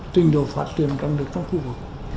tình độ phát triển trong khu vực